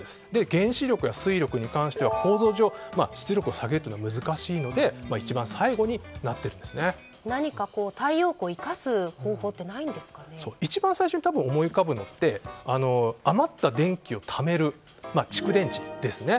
原子力や水力に関しては構造上出力を下げるというのは難しいので何か、太陽光を生かす方法って一番最初に思い浮かぶのって余った電気をためる蓄電池ですね。